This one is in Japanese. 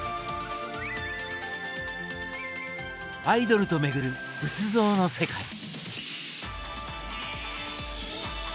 「アイドルと巡る仏像の世界」。